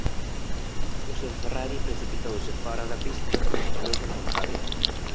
O seu Ferrari precipitouse fóra da pista e estrelouse nunha gabia.